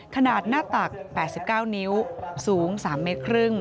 ขนาดหน้าตัก๘๙นิ้วสูง๓๕เมตร